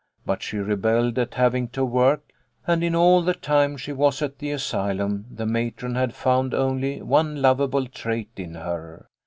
But she rebelled at having to work, and in all the time she was at the asylum the matron had found only one lovable trait in her.